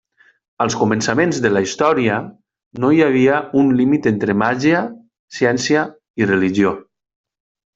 Als començaments de la història no hi havia un límit entre màgia, ciència i religió.